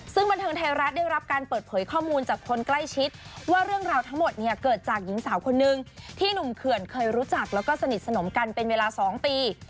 ซึ่งบันเทิงไทยรัฐได้รับการเปิดเผยข้อมูลจากคนใกล้ชิดว่าเรื่องราวทั้งหมดเนี่ยเกิดจากหญิงสาวคนนึงที่หนุ่มเขื่อนเคยรู้จักแล้วก็สนิทสนมกันเป็นเวลา๒ปี